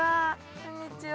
こんにちは。